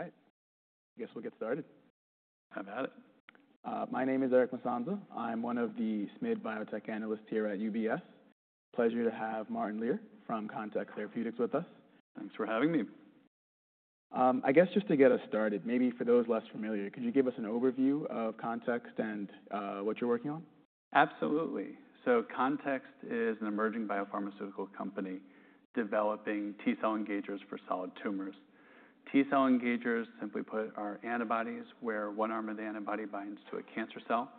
All right. I guess we'll get started. I've had it. My name is Eric Musonza. I'm one of the SMID biotech analysts here at UBS. Pleasure to have Martin Lehr from Context Therapeutics with us. Thanks for having me. I guess just to get us started, maybe for those less familiar, could you give us an overview of Context and what you're working on? Absolutely. So Context is an emerging biopharmaceutical company developing T-cell engagers for solid tumors. T-cell engagers, simply put, are antibodies where one arm of the antibody binds to a cancer cell,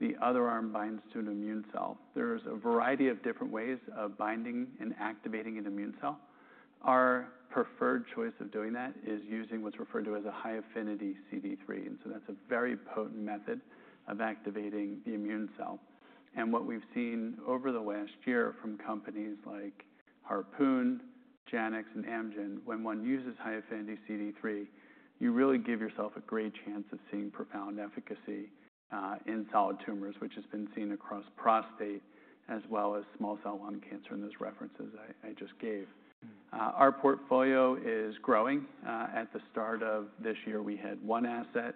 the other arm binds to an immune cell. There's a variety of different ways of binding and activating an immune cell. Our preferred choice of doing that is using what's referred to as a high-affinity CD3. And so that's a very potent method of activating the immune cell. And what we've seen over the last year from companies like Harpoon, Janux, and Amgen, when one uses high-affinity CD3, you really give yourself a great chance of seeing profound efficacy, in solid tumors, which has been seen across prostate as well as small cell lung cancer in those references I just gave. Our portfolio is growing. At the start of this year, we had one asset.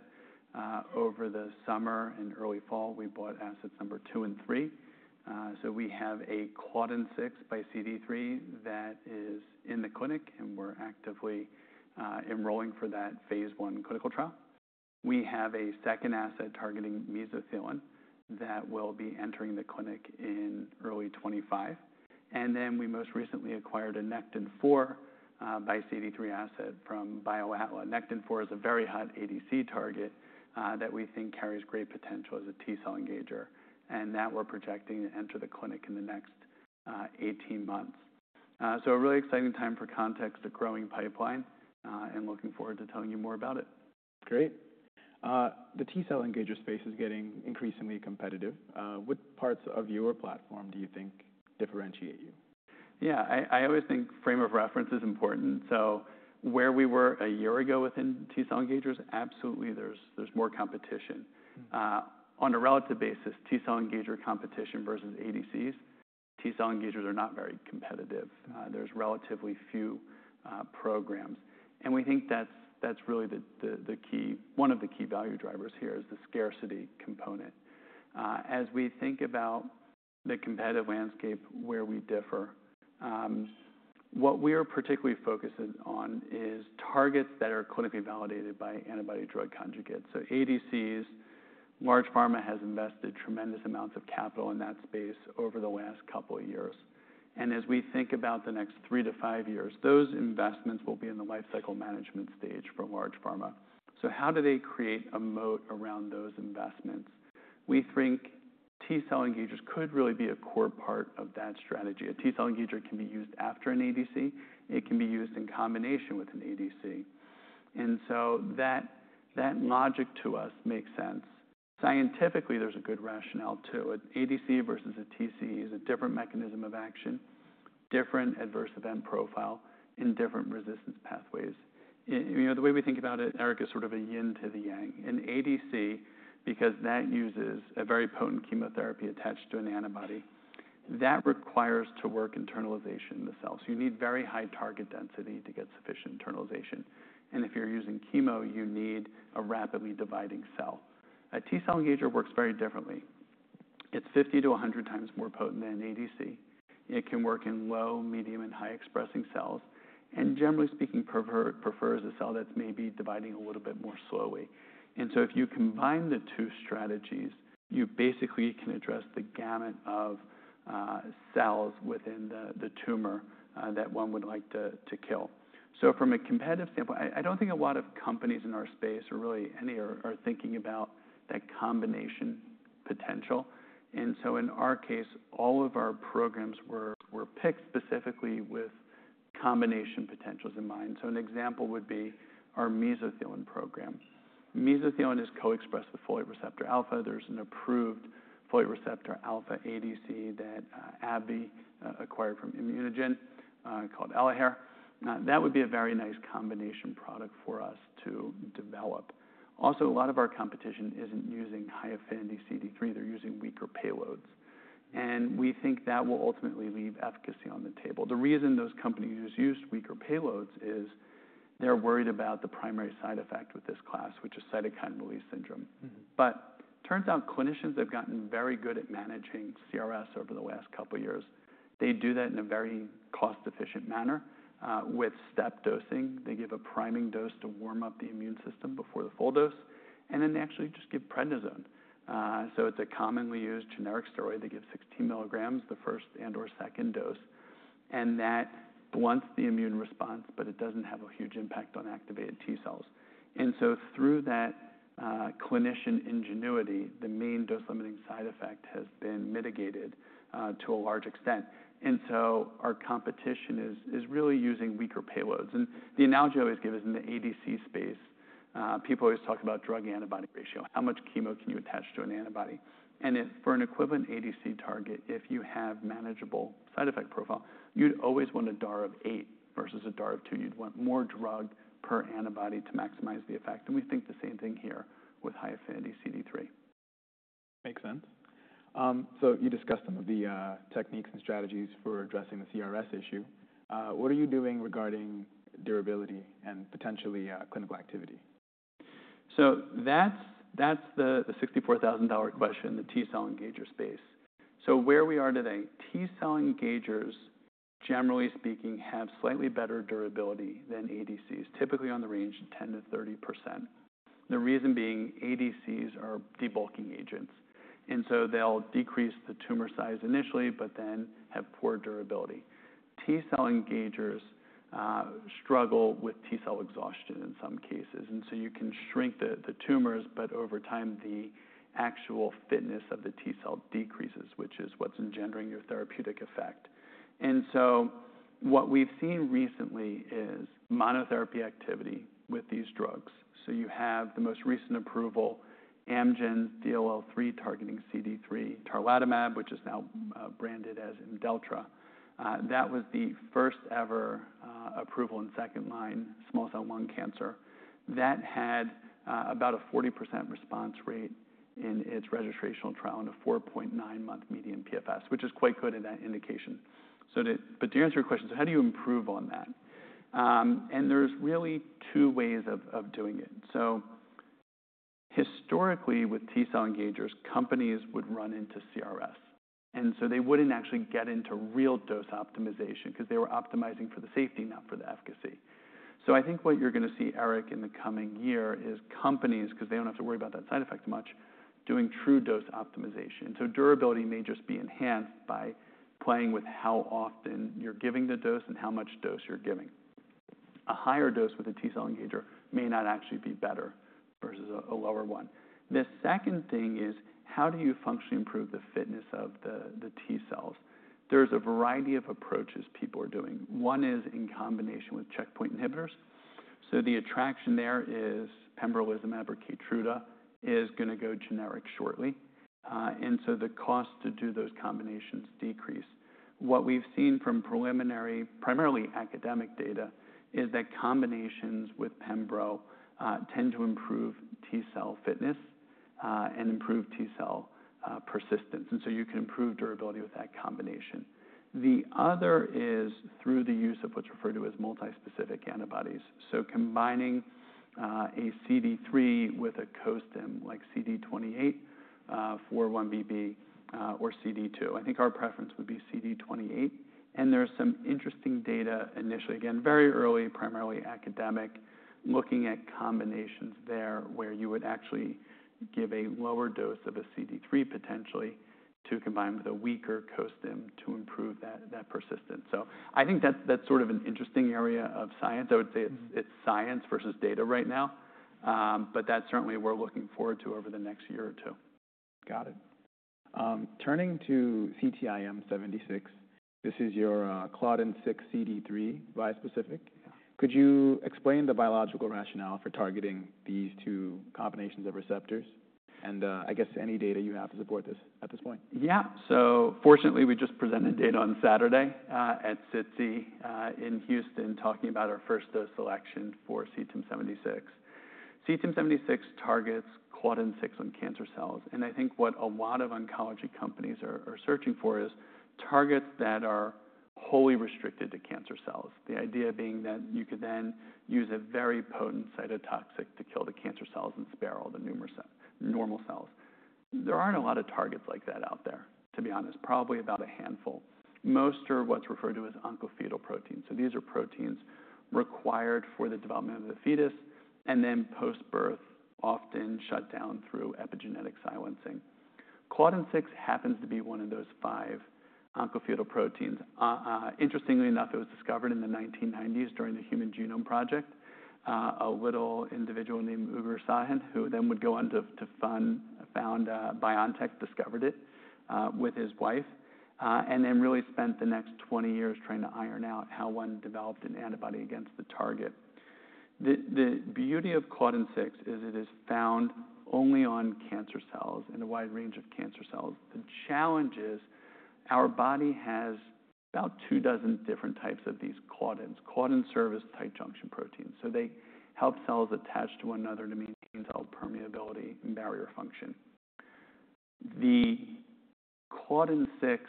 Over the summer and early fall, we bought assets number two and three. We have a Claudin 6 by CD3 that is in the clinic, and we're actively enrolling for that phase I clinical trial. We have a second asset targeting mesothelin that will be entering the clinic in early 2025. We most recently acquired a Nectin-4 by CD3 asset from BioAtla. Nectin-4 is a very hot ADC target that we think carries great potential as a T-cell engager, and that we're projecting to enter the clinic in the next 18 months. A really exciting time for Context, a growing pipeline, and looking forward to telling you more about it. Great. The T-cell engager space is getting increasingly competitive. What parts of your platform do you think differentiate you? Yeah. I always think frame of reference is important. So where we were a year ago within T-cell engagers, absolutely, there's more competition. On a relative basis, T-cell engager competition versus ADCs, T-cell engagers are not very competitive. There's relatively few programs. And we think that's really the key one of the key value drivers here is the scarcity component. As we think about the competitive landscape where we differ, what we are particularly focused on is targets that are clinically validated by antibody-drug conjugates. So ADCs, large pharma has invested tremendous amounts of capital in that space over the last couple of years. And as we think about the next three to five years, those investments will be in the life cycle management stage for large pharma. So how do they create a moat around those investments? We think T-cell engagers could really be a core part of that strategy. A T-cell engager can be used after an ADC. It can be used in combination with an ADC. And so that, that logic to us makes sense. Scientifically, there's a good rationale too. An ADC versus a TC is a different mechanism of action, different adverse event profile, and different resistance pathways. It, you know, the way we think about it, Eric, is sort of a yin to the yang. An ADC, because that uses a very potent chemotherapy attached to an antibody, that requires to work internalization in the cell. So you need very high target density to get sufficient internalization. And if you're using chemo, you need a rapidly dividing cell. A T-cell engager works very differently. It's 50x to 100x more potent than an ADC. It can work in low, medium, and high-expressing cells. And generally speaking, prefers a cell that's maybe dividing a little bit more slowly. And so if you combine the two strategies, you basically can address the gamut of cells within the tumor that one would like to kill. So from a competitive standpoint, I don't think a lot of companies in our space or really any are thinking about that combination potential. And so in our case, all of our programs were picked specifically with combination potentials in mind. So an example would be our mesothelin program. Mesothelin is co-expressed with folate receptor alpha. There's an approved folate receptor alpha ADC that AbbVie acquired from ImmunoGen, called Elahere, that would be a very nice combination product for us to develop. Also, a lot of our competition isn't using high-affinity CD3. They're using weaker payloads. And we think that will ultimately leave efficacy on the table. The reason those companies who've used weaker payloads is they're worried about the primary side effect with this class, which is cytokine release syndrome. But it turns out clinicians have gotten very good at managing CRS over the last couple of years. They do that in a very cost-efficient manner, with step dosing. They give a priming dose to warm up the immune system before the full dose. And then they actually just give prednisone. So it's a commonly used generic steroid. They give 16 milligrams, the first and/or second dose. And that blunts the immune response, but it doesn't have a huge impact on activated T-cells. And so through that, clinician ingenuity, the main dose-limiting side effect has been mitigated, to a large extent. And so our competition is really using weaker payloads. And the analogy I always give is in the ADC space, people always talk about drug-antibody ratio. How much chemo can you attach to an antibody? And if for an equivalent ADC target, if you have manageable side effect profile, you'd always want a DAR of eight versus a DAR of two. You'd want more drug per antibody to maximize the effect. And we think the same thing here with high-affinity CD3. Makes sense. So you discussed some of the techniques and strategies for addressing the CRS issue. What are you doing regarding durability and potentially clinical activity? That's the $64,000 question, the T-cell engager space. Where we are today, T-cell engagers, generally speaking, have slightly better durability than ADCs, typically on the range of 10%-30%. The reason being ADCs are debulking agents. And so they'll decrease the tumor size initially, but then have poor durability. T-cell engagers struggle with T-cell exhaustion in some cases. And so you can shrink the tumors, but over time, the actual fitness of the T-cell decreases, which is what's engendering your therapeutic effect. And so what we've seen recently is monotherapy activity with these drugs. You have the most recent approval, Amgen's DLL3 targeting CD3, tarlatamab, which is now branded as Imdelltra. That was the first ever approval in second-line small cell lung cancer. That had about a 40% response rate in its registration trial and a 4.9-month median PFS, which is quite good in that indication. But to answer your question, how do you improve on that? And there's really two ways of doing it. So historically, with T-cell engagers, companies would run into CRS. And so they wouldn't actually get into real dose optimization 'cause they were optimizing for the safety, not for the efficacy. So I think what you're gonna see, Eric, in the coming year is companies, 'cause they don't have to worry about that side effect much, doing true dose optimization. And so durability may just be enhanced by playing with how often you're giving the dose and how much dose you're giving. A higher dose with a T-cell engager may not actually be better versus a lower one. The second thing is how do you functionally improve the fitness of the T cells? There's a variety of approaches people are doing. One is in combination with checkpoint inhibitors. So the attraction there is pembrolizumab or Keytruda is gonna go generic shortly, and so the cost to do those combinations decrease. What we've seen from preliminary, primarily academic data, is that combinations with pembro tend to improve T-cell fitness and improve T-cell persistence, and so you can improve durability with that combination. The other is through the use of what's referred to as multi-specific antibodies. So combining a CD3 with a co-stim like CD28, 4-1BB, or CD2. I think our preference would be CD28. And there's some interesting data initially, again, very early, primarily academic, looking at combinations there where you would actually give a lower dose of a CD3 potentially to combine with a weaker co-stim to improve that, that persistence. So I think that's, that's sort of an interesting area of science. I would say it's, it's science versus data right now. But that's certainly what we're looking forward to over the next year or two. Got it. Turning to CTIM-76, this is your Claudin 6 CD3 bispecific. Yeah. Could you explain the biological rationale for targeting these two combinations of receptors? And, I guess any data you have to support this at this point? Yeah. So fortunately, we just presented data on Saturday, at SITC, in Houston, talking about our first dose selection for CTIM-76. CTIM-76 targets Claudin 6 on cancer cells. And I think what a lot of oncology companies are searching for is targets that are wholly restricted to cancer cells. The idea being that you could then use a very potent cytotoxic to kill the cancer cells and spare all the numerous normal cells. There aren't a lot of targets like that out there, to be honest, probably about a handful. Most are what's referred to as oncofetal proteins. So these are proteins required for the development of the fetus and then post-birth, often shut down through epigenetic silencing. Claudin 6 happens to be one of those five oncofetal proteins. Interestingly enough, it was discovered in the 1990s during the Human Genome Project. A little individual named Uğur Şahin, who then would go on to found BioNTech, discovered it with his wife, and then really spent the next 20 years trying to iron out how one developed an antibody against the target. The beauty of Claudin 6 is it is found only on cancer cells and a wide range of cancer cells. The challenge is our body has about two dozen different types of these Claudins. Claudins serve as tight junction proteins. So they help cells attach to one another to maintain cell permeability and barrier function. The Claudin 6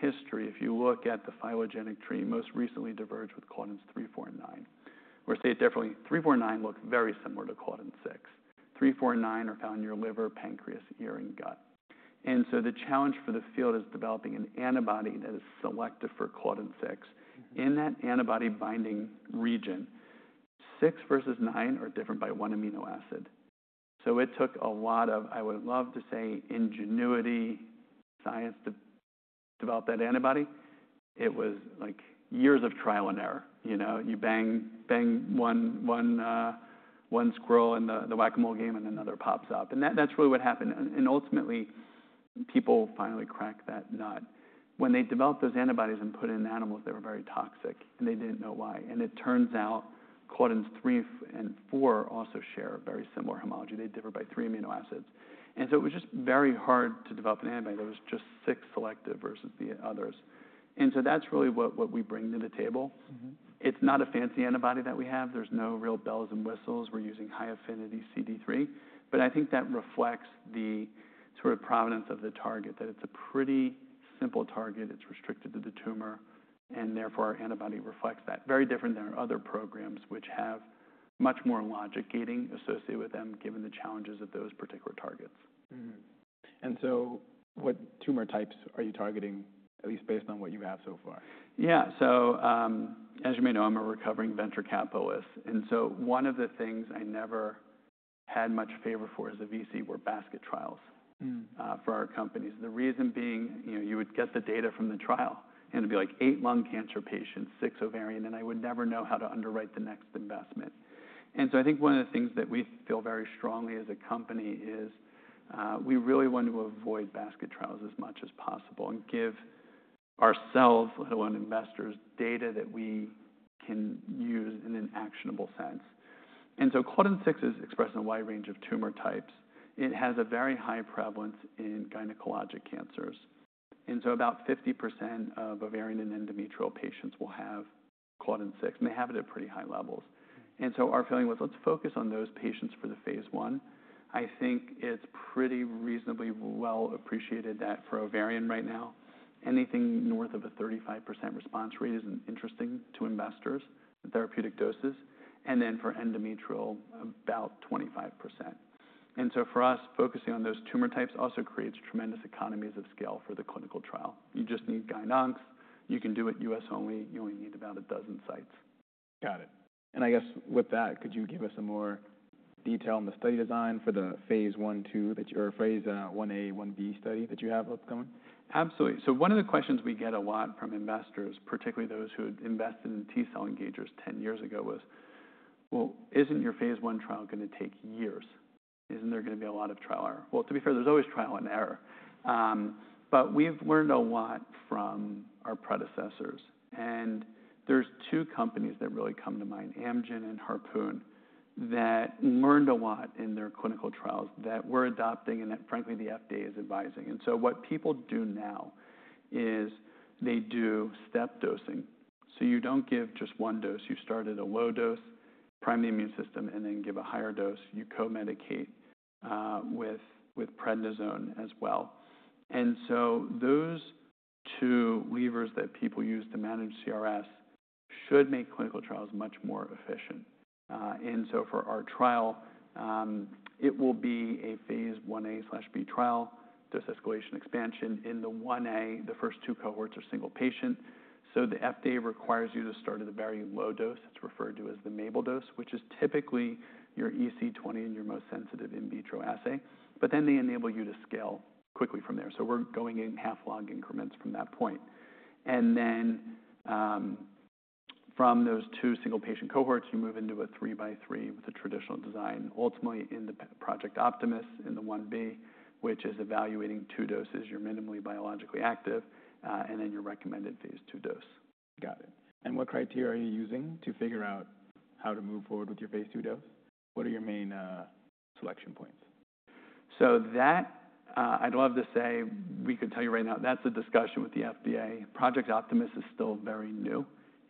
history, if you look at the phylogenetic tree, most recently diverged with Claudin 3, 4, and 9. Or say it differently, 3, 4, and 9 look very similar to Claudin 6. 3, 4, and 9 are found in your liver, pancreas, ear, and gut. The challenge for the field is developing an antibody that is selective for Claudin 6. In that antibody-binding region, 6 versus 9 are different by one amino acid. So it took a lot of, I would love to say, ingenuity science to develop that antibody. It was like years of trial and error. You know, you bang one mole in the Whack-A-Mole game and another pops up. And that's really what happened. And ultimately, people finally cracked that nut. When they developed those antibodies and put it in animals, they were very toxic and they didn't know why. And it turns out Claudin 3 and Claudin 4 also share very similar homology. They differ by three amino acids. And so it was just very hard to develop an antibody that was just 6 selective versus the others. And so that's really what we bring to the table. It's not a fancy antibody that we have. There's no real bells and whistles. We're using high-affinity CD3. But I think that reflects the sort of provenance of the target, that it's a pretty simple target. It's restricted to the tumor. And therefore, our antibody reflects that. Very different than our other programs, which have much more logic gating associated with them given the challenges of those particular targets. And so what tumor types are you targeting, at least based on what you have so far? Yeah, so as you may know, I'm a recovering venture capitalist, and so one of the things I never had much favor for as a VC were basket trials. For our companies. The reason being, you know, you would get the data from the trial and it'd be like eight lung cancer patients, six ovarian, and I would never know how to underwrite the next investment. And so I think one of the things that we feel very strongly as a company is, we really want to avoid basket trials as much as possible and give ourselves, let alone investors, data that we can use in an actionable sense. And so Claudin 6 is expressed in a wide range of tumor types. It has a very high prevalence in gynecologic cancers. And so about 50% of ovarian and endometrial patients will have Claudin 6. And they have it at pretty high levels. And so our feeling was, let's focus on those patients for the phase I. I think it's pretty reasonably well appreciated that for ovarian right now. Anything north of a 35% response rate isn't interesting to investors, therapeutic doses. And then for endometrial, about 25%. And so for us, focusing on those tumor types also creates tremendous economies of scale for the clinical trial. You just need good oncs. You can do it U.S. only. You only need about a dozen sites. Got it. And I guess with that, could you give us some more detail on the study design for the phase I/II that your phase 1a, 1b study that you have upcoming? Absolutely. So one of the questions we get a lot from investors, particularly those who had invested in T-cell engagers 10 years ago, was, well, isn't your phase I trial gonna take years? Isn't there gonna be a lot of trial error? Well, to be fair, there's always trial and error. But we've learned a lot from our predecessors. And there's two companies that really come to mind, Amgen and Harpoon, that learned a lot in their clinical trials that we're adopting and that, frankly, the FDA is advising. And so what people do now is they do step dosing. So you don't give just one dose. You start at a low dose, prime the immune system, and then give a higher dose. You co-medicate with prednisone as well. And so those two levers that people use to manage CRS should make clinical trials much more efficient. And so for our trial, it will be a phase 1a/b trial, dose escalation expansion in the 1a. The first two cohorts are single patient. So the FDA requires you to start at a very low dose. It's referred to as the MABEL dose, which is typically your EC20 and your most sensitive in vitro assay. But then they enable you to scale quickly from there. So we're going in half-log increments from that point. And then, from those two single patient cohorts, you move into a 3x3 with a traditional design, ultimately in the Project Optimus in the 1b, which is evaluating two doses. You're minimally biologically active, and then your recommended phase II dose. Got it, and what criteria are you using to figure out how to move forward with your phase II dose? What are your main selection points? So, that I'd love to say we could tell you right now, that's a discussion with the FDA. Project Optimus is still very new,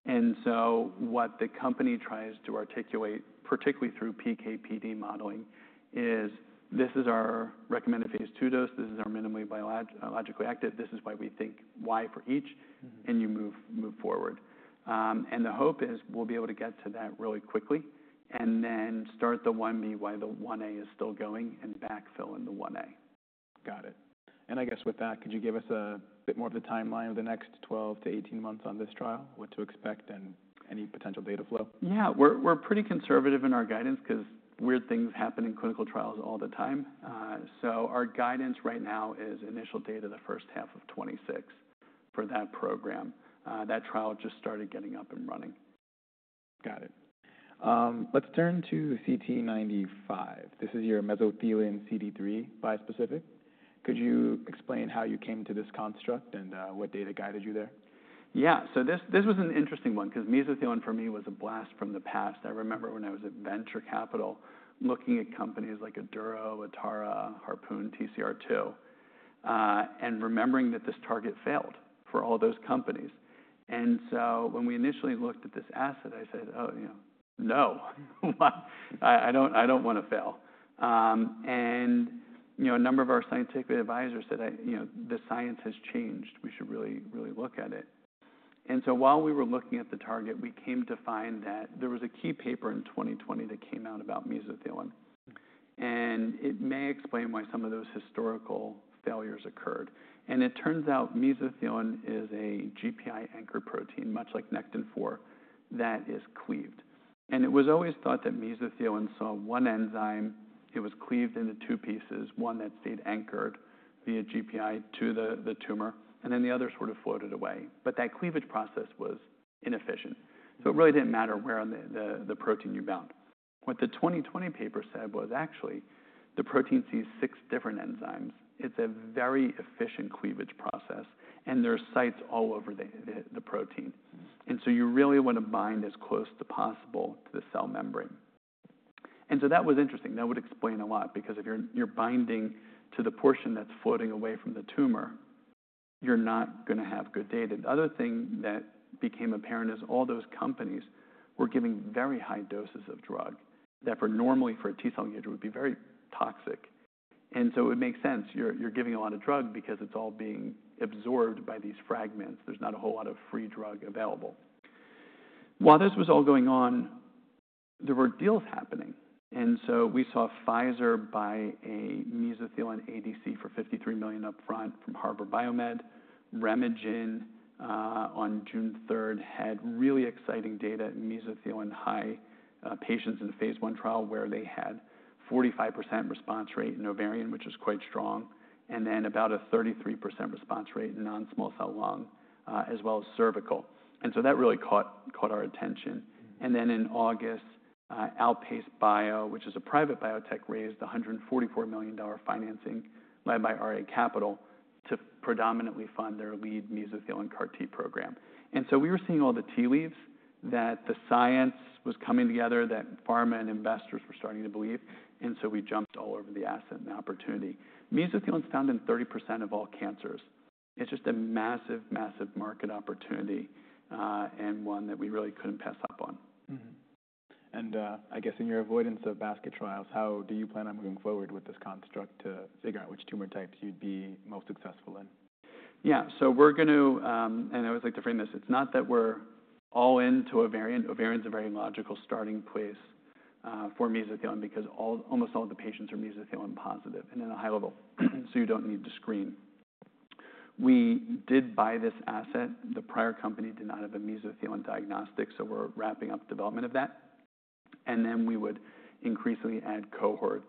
and so what the company tries to articulate, particularly through PK/PD modeling, is. This is our recommended phase II dose. This is our MABEL biologic reactive. This is why we think Y for each. And you move forward, and the hope is we'll be able to get to that really quickly and then start the 1b while the 1a is still going and backfill in the 1a. Got it. I guess with that, could you give us a bit more of the timeline of the next 12-18 months on this trial, what to expect and any potential data flow? Yeah. We're pretty conservative in our guidance 'cause weird things happen in clinical trials all the time, so our guidance right now is initial data the first half of 2026 for that program. That trial just started getting up and running. Got it. Let's turn to CT95. This is your Mesothelin CD3 bispecific. Could you explain how you came to this construct and what data guided you there? Yeah, so this, this was an interesting one 'cause mesothelin for me was a blast from the past. I remember when I was at venture capital looking at companies like Aduro, Atara, Harpoon, TCR2, and remembering that this target failed for all those companies. And so when we initially looked at this asset, I said, "Oh, you know, no. I don't wanna fail," and, you know, a number of our scientific advisors said, "You know, the science has changed. We should really, really look at it." And so while we were looking at the target, we came to find that there was a key paper in 2020 that came out about mesothelin. It may explain why some of those historical failures occurred. It turns out mesothelin is a GPI anchor protein, much like Nectin-4, that is cleaved. It was always thought that mesothelin saw one enzyme. It was cleaved into two pieces, one that stayed anchored via GPI to the tumor, and then the other sort of floated away. But that cleavage process was inefficient. So it really didn't matter where on the protein you bound. What the 2020 paper said was actually the protein sees six different enzymes. It's a very efficient cleavage process, and there are sites all over the protein. And so you really wanna bind as close to possible to the cell membrane. And so that was interesting. That would explain a lot because if you're binding to the portion that's floating away from the tumor, you're not gonna have good data. The other thing that became apparent is all those companies were giving very high doses of drug that normally for a T-cell engager would be very toxic. And so it would make sense. You're giving a lot of drug because it's all being absorbed by these fragments. There's not a whole lot of free drug available. While this was all going on, there were deals happening. And so we saw Pfizer buy a mesothelin ADC for $53 million upfront from Harbour BioMed. RemeGen, on June 3rd had really exciting data. Mesothelin high patients in the phase I trial where they had 45% response rate in ovarian, which is quite strong, and then about a 33% response rate in non-small cell lung, as well as cervical. That really caught our attention. And then in August, Outpace Bio, which is a private biotech, raised $144 million financing led by RA Capital to predominantly fund their lead mesothelin CAR-T program. And so we were seeing all the tea leaves that the science was coming together, that pharma and investors were starting to believe. And so we jumped all over the asset and the opportunity. Mesothelin's found in 30% of all cancers. It's just a massive, massive market opportunity, and one that we really couldn't pass up on. And, I guess in your avoidance of basket trials, how do you plan on moving forward with this construct to figure out which tumor types you'd be most successful in? Yeah. So we're gonna, and I always like to frame this. It's not that we're all into ovarian. Ovarian's a very logical starting place for mesothelin because almost all the patients are mesothelin positive and at a high level, so you don't need to screen. We did buy this asset. The prior company did not have a mesothelin diagnostic, so we're wrapping up development of that. And then we would increasingly add cohorts,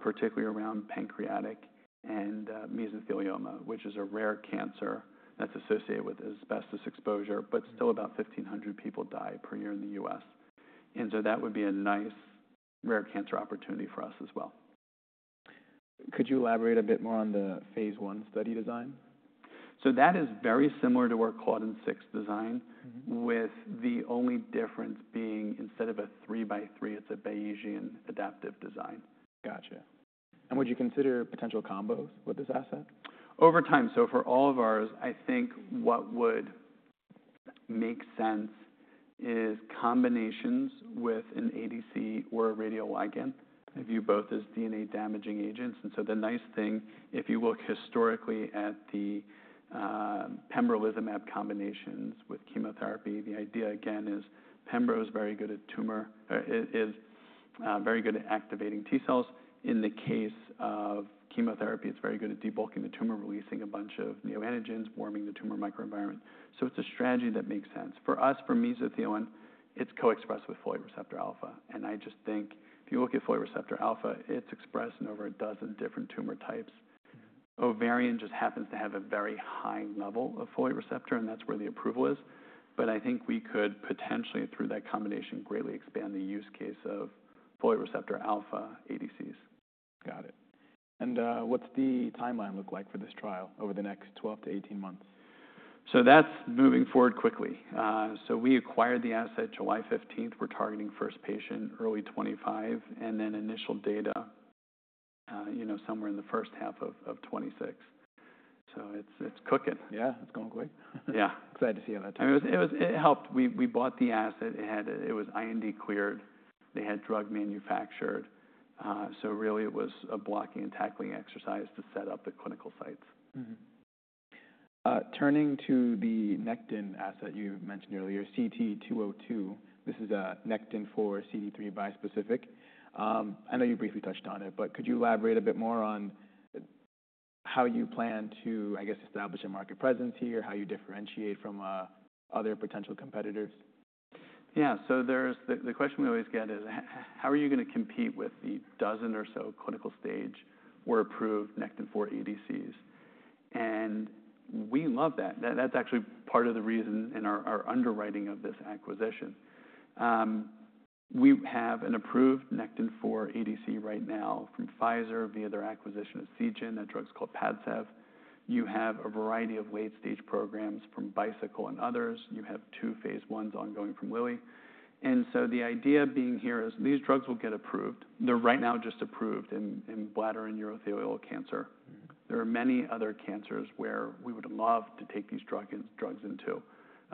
particularly around pancreatic and mesothelioma, which is a rare cancer that's associated with asbestos exposure, but still about 1,500 people die per year in the U.S. And so that would be a nice rare cancer opportunity for us as well. Could you elaborate a bit more on the phase I study design? So that is very similar to our Claudin 6 design. With the only difference being instead of a 3x3, it's a Bayesian adaptive design. Got it. And would you consider potential combos with this asset? Over time. So for all of ours, I think what would make sense is combinations with an ADC or a radioligand that view both as DNA damaging agents. And so the nice thing, if you look historically at the pembrolizumab combinations with chemotherapy, the idea again is pembro is very good at tumor or is very good at activating T-cells. In the case of chemotherapy, it is very good at debulking the tumor, releasing a bunch of neoantigens, warming the tumor microenvironment. So it is a strategy that makes sense. For us, for mesothelin, it is co-expressed with folate receptor alpha. And I just think if you look at folate receptor alpha, it is expressed in over a dozen different tumor types. Ovarian just happens to have a very high level of folate receptor, and that's where the approval is. But I think we could potentially, through that combination, greatly expand the use case of folate receptor alpha ADCs. Got it. And what's the timeline look like for this trial over the next 12 to 18 months? So that's moving forward quickly. So we acquired the asset July 15th. We're targeting first patient, early 2025, and then initial data, you know, somewhere in the first half of 2026. So it's cooking. Yeah. It's going quick. Yeah. Excited to see you at that time. It was. It helped. We bought the asset. It had. It was IND cleared. They had drug manufactured, so really it was a blocking and tackling exercise to set up the clinical sites. Turning to the Nectin-4 asset you mentioned earlier, CT-202, this is a Nectin-4 x CD3 bispecific. I know you briefly touched on it, but could you elaborate a bit more on how you plan to, I guess, establish a market presence here, how you differentiate from other potential competitors? Yeah. So there's the question we always get is, how are you gonna compete with the dozen or so clinical stage or approved Nectin-4 ADCs? And we love that. That's actually part of the reason and our underwriting of this acquisition. We have an approved Nectin-4 ADC right now from Pfizer via their acquisition of Seagen. That drug's called PADCEV. You have a variety of late-stage programs from Bicycle and others. You have two phase ones ongoing from Lilly. And so the idea being here is these drugs will get approved. They're right now just approved in bladder and urothelial cancer. There are many other cancers where we would love to take these drugs into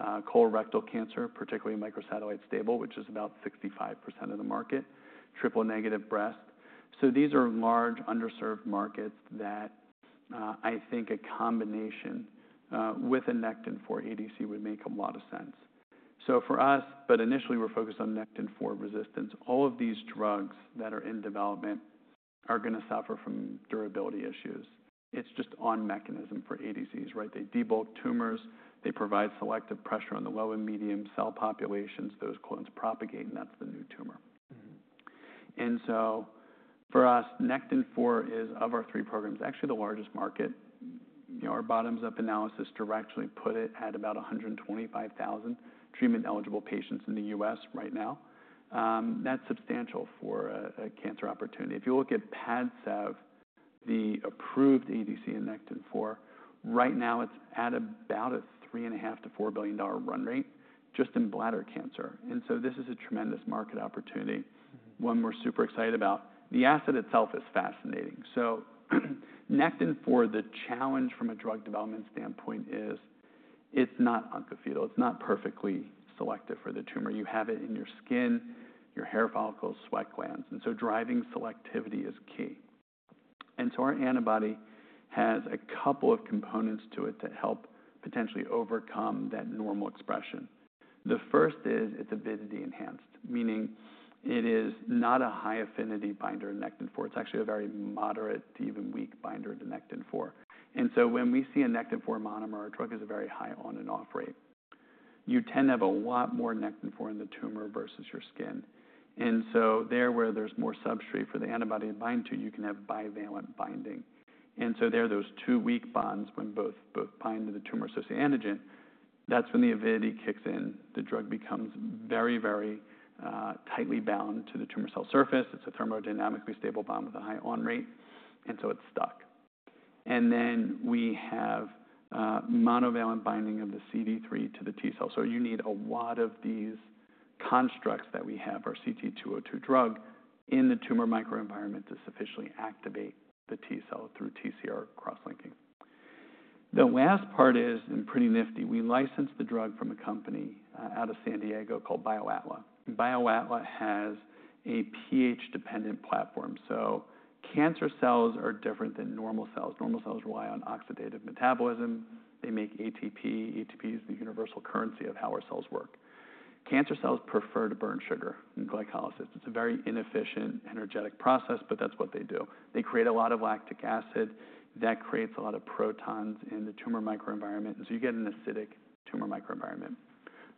colorectal cancer, particularly microsatellite stable, which is about 65% of the market, triple negative breast. So these are large underserved markets that, I think a combination with a Nectin-4 ADC would make a lot of sense. So for us, but initially we're focused on Nectin-4 resistance. All of these drugs that are in development are gonna suffer from durability issues. It's just on mechanism for ADCs, right? They debulk tumors. They provide selective pressure on the low and medium cell populations. Those clones propagate, and that's the new tumor. For us, Nectin-4 is, of our three programs, actually the largest market. You know, our bottoms-up analysis directly put it at about 125,000 treatment-eligible patients in the U.S. right now. That's substantial for a cancer opportunity. If you look at PADCEV, the approved ADC in Nectin-4, right now it's at about a $3.5 billion-$4 billion run rate just in bladder cancer. This is a tremendous market opportunity. One we're super excited about. The asset itself is fascinating, so Nectin-4, the challenge from a drug development standpoint is it's not untargeted. It's not perfectly selective for the tumor. You have it in your skin, your hair follicles, sweat glands, and so driving selectivity is key, and so our antibody has a couple of components to it that help potentially overcome that normal expression. The first is it's avidity-enhanced, meaning it is not a high affinity binder to Nectin-4. It's actually a very moderate to even weak binder to Nectin-4, and so when we see a Nectin-4 monomer, our drug has a very high on-and-off rate. You tend to have a lot more Nectin-4 in the tumor versus your skin, and so there, where there's more substrate for the antibody to bind to, you can have bivalent binding. And so there are those two weak bonds when both, both bind to the tumor associated antigen. That's when the avidity kicks in. The drug becomes very, very tightly bound to the tumor cell surface. It's a thermodynamically stable bond with a high on-rate. And so it's stuck. And then we have monovalent binding of the CD3 to the T-cell. So you need a lot of these constructs that we have, our CT-202 drug, in the tumor microenvironment to sufficiently activate the T-cell through TCR cross-linking. The last part is, and pretty nifty, we licensed the drug from a company out of San Diego called BioAtla. BioAtla has a pH-dependent platform. So cancer cells are different than normal cells. Normal cells rely on oxidative metabolism. They make ATP. ATP is the universal currency of how our cells work. Cancer cells prefer to burn sugar in glycolysis. It's a very inefficient energetic process, but that's what they do. They create a lot of lactic acid. That creates a lot of protons in the tumor microenvironment, so you get an acidic tumor microenvironment,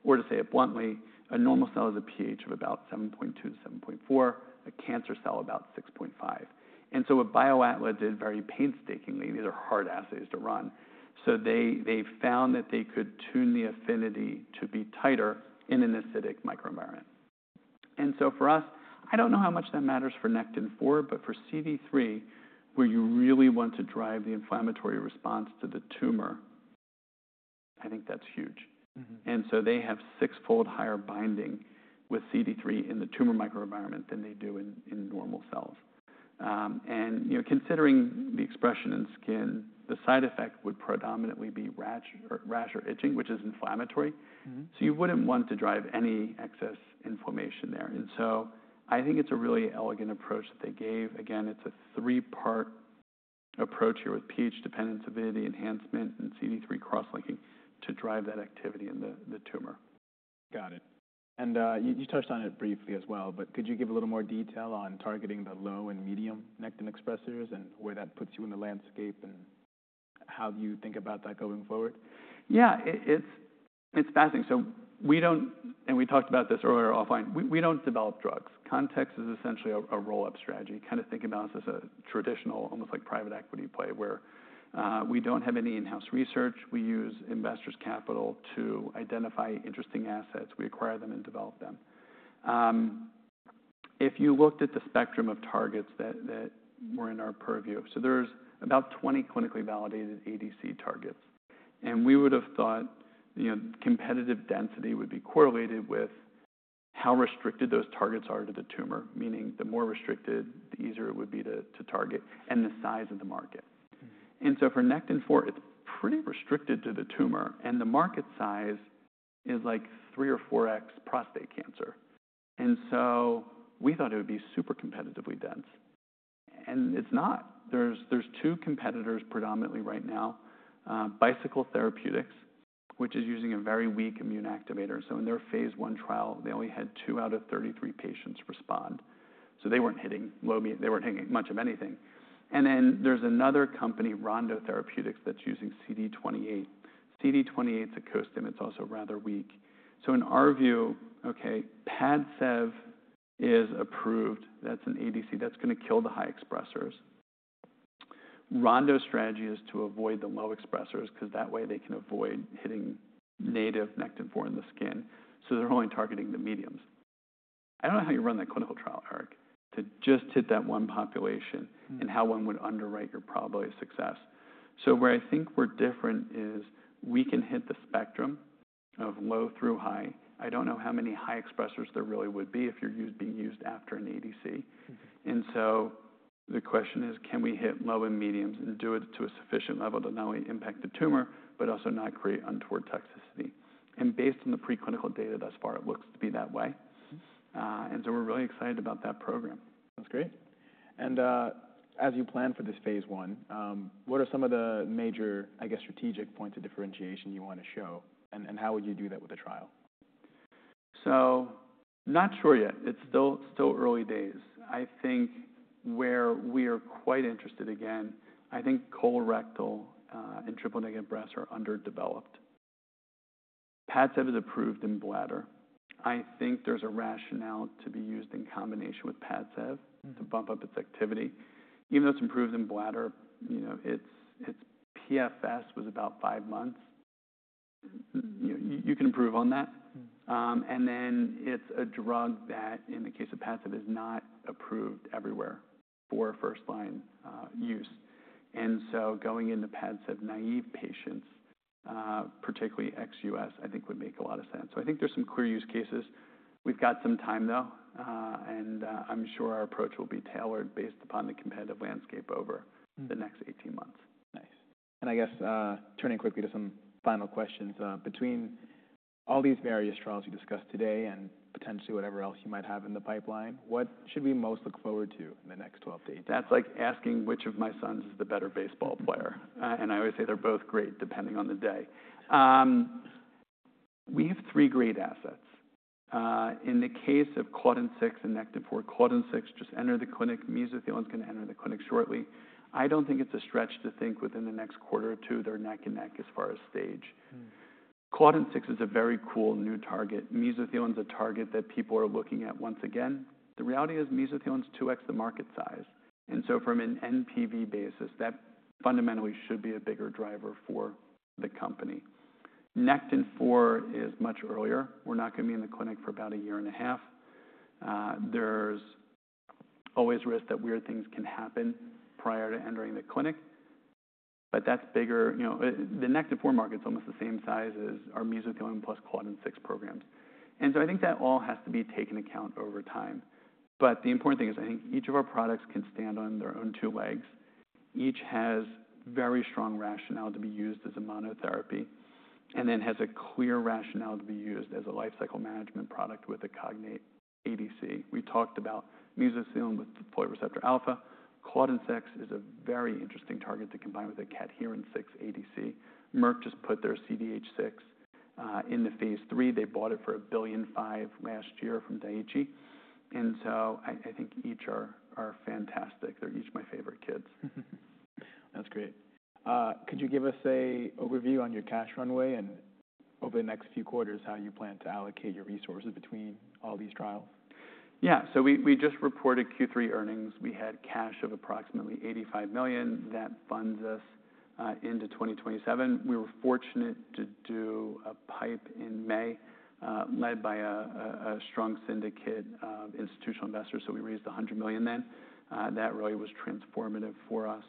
or, to say it bluntly, a normal cell has a pH of about 7.2 to 7.4, a cancer cell about 6.5, and so what BioAtla did very painstakingly, these are hard assays to run, so they found that they could tune the affinity to be tighter in an acidic microenvironment, and so for us, I don't know how much that matters for Nectin-4, but for CD3, where you really want to drive the inflammatory response to the tumor, I think that's huge. They have sixfold higher binding with CD3 in the tumor microenvironment than they do in normal cells. You know, considering the expression in skin, the side effect would predominantly be rash or itching, which is inflammatory. So you wouldn't want to drive any excess inflammation there. And so I think it's a really elegant approach that they gave. Again, it's a three-part approach here with pH dependence, avidity enhancement, and CD3 cross-linking to drive that activity in the tumor. Got it. And, you, you touched on it briefly as well, but could you give a little more detail on targeting the low and medium Nectin expressors and where that puts you in the landscape and how you think about that going forward? Yeah. It's fascinating. So we don't, and we talked about this earlier offline, we don't develop drugs. Context is essentially a roll-up strategy. Kind of think about us as a traditional, almost like private equity play where we don't have any in-house research. We use investors' capital to identify interesting assets. We acquire them and develop them. If you looked at the spectrum of targets that were in our purview, so there's about 20 clinically validated ADC targets. And we would've thought, you know, competitive density would be correlated with how restricted those targets are to the tumor, meaning the more restricted, the easier it would be to target and the size of the market. And so for Nectin-4, it's pretty restricted to the tumor, and the market size is like three or four times prostate cancer. And so we thought it would be super competitively dense. And it's not. There's two competitors predominantly right now, Bicycle Therapeutics, which is using a very weak immune activator. So in their phase I trial, they only had two out of 33 patients respond. So they weren't hitting low expressors, they weren't hitting much of anything. And then there's another company, Rondo Therapeutics, that's using CD28. CD28's a co-stim. It's also rather weak. So in our view, okay, PADCEV is approved. That's an ADC that's gonna kill the high expressors. Rondo's strategy is to avoid the low expressors 'cause that way they can avoid hitting native Nectin-4 in the skin. So they're only targeting the mediums. I don't know how you run that clinical trial, Eric, to just hit that one population and how one would underwrite your probability of success. So where I think we're different is we can hit the spectrum of low through high. I don't know how many high expressors there really would be if you're used after an ADC. And so the question is, can we hit low and mediums and do it to a sufficient level to not only impact the tumor but also not create untoward toxicity? And based on the preclinical data thus far, it looks to be that way. And so we're really excited about that program. That's great. And as you plan for this phase one, what are some of the major, I guess, strategic points of differentiation you wanna show, and how would you do that with the trial? So not sure yet. It's still early days. I think where we are quite interested again, I think colorectal and triple-negative breast are underdeveloped. PADCEV is approved in bladder. I think there's a rationale to be used in combination with PADCEV. To bump up its activity. Even though it's improved in bladder, you know, it's PFS was about five months. You know, you can improve on that. And then it's a drug that, in the case of PADCEV, is not approved everywhere for first-line use. And so going into PADCEV-naïve patients, particularly ex-U.S., I think would make a lot of sense. I think there's some clear use cases. We've got some time though, and I'm sure our approach will be tailored based upon the competitive landscape over. The next 18 months. Nice. And I guess, turning quickly to some final questions, between all these various trials you discussed today and potentially whatever else you might have in the pipeline, what should we most look forward to in the next 12-18? That's like asking which of my sons is the better baseball player, and I always say they're both great depending on the day. We have three great assets. In the case of Claudin 6 and Nectin-4, Claudin 6 just entered the clinic. Mesothelin's gonna enter the clinic shortly. I don't think it's a stretch to think within the next quarter or two they're neck and neck as far as stage. Claudin 6 is a very cool new target. Mesothelin's a target that people are looking at once again. The reality is mesothelin's 2X the market size, and so from an NPV basis, that fundamentally should be a bigger driver for the company. Nectin-4 is much earlier. We're not gonna be in the clinic for about a year and a half. There's always risk that weird things can happen prior to entering the clinic, but that's bigger. You know, the Nectin-4 market's almost the same size as our mesothelin plus Claudin 6 programs, and so I think that all has to be taken account over time, but the important thing is I think each of our products can stand on their own two legs. Each has very strong rationale to be used as a monotherapy and then has a clear rationale to be used as a lifecycle management product with a cognate ADC. We talked about mesothelin with folate receptor alpha. Claudin 6 is a very interesting target to combine with a Claudin 6 ADC. Merck just put their CDH-6 in phase three. They bought it for $1.5 billion last year from Daiichi. And so I think each are fantastic. They're each my favorite kids. That's great. Could you give us an overview on your cash runway and over the next few quarters how you plan to allocate your resources between all these trials? Yeah. So we just reported Q3 earnings. We had cash of approximately $85 million. That funds us into 2027. We were fortunate to do a PIPE in May, led by a strong syndicate of institutional investors. So we raised $100 million then. That really was transformative for us.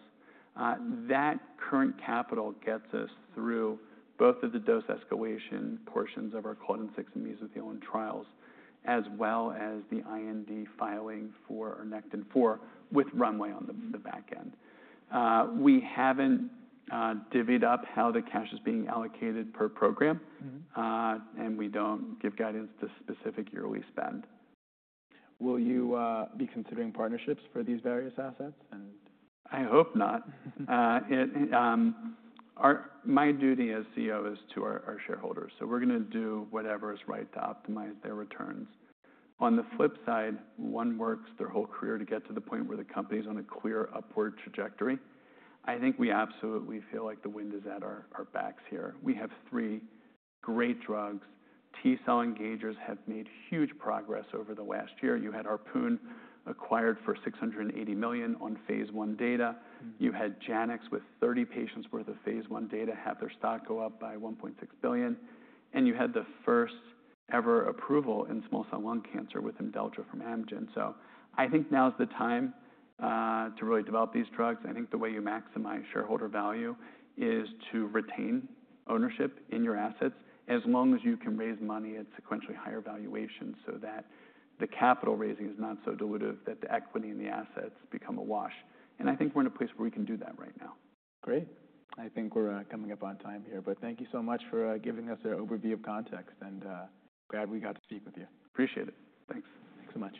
That current capital gets us through both of the dose escalation portions of our Claudin 6 and mesothelin trials as well as the IND filing for our Nectin-4 with runway on the back end. We haven't divvied up how the cash is being allocated per program. And we don't give guidance to specific yearly spend. Will you be considering partnerships for these various assets and? I hope not. It's my duty as CEO is to our shareholders, so we're gonna do whatever is right to optimize their returns. On the flip side, one works their whole career to get to the point where the company's on a clear upward trajectory. I think we absolutely feel like the wind is at our backs here. We have three great drugs. T-cell engagers have made huge progress over the last year. You had Harpoon acquired for $680 million on phase I data. You had Janux with 30 patients' worth of phase I data, had their stock go up by $1.6 billion. And you had the first ever approval in small cell lung cancer with Imdelltra from Amgen. So I think now's the time to really develop these drugs. I think the way you maximize shareholder value is to retain ownership in your assets as long as you can raise money at sequentially higher valuations so that the capital raising is not so dilutive that the equity and the assets become a wash. And I think we're in a place where we can do that right now. Great. I think we're coming up on time here, but thank you so much for giving us your overview of Context, and glad we got to speak with you. Appreciate it. Thanks. Thanks so much.